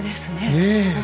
ねえ！